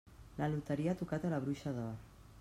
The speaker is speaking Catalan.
La loteria ha tocat a La bruixa d'or?